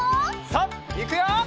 さあいくよ！